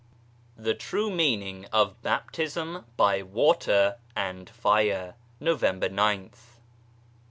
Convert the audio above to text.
THE TRUE MEANING OF BAPTISM BY WATER AND FIRE November gth.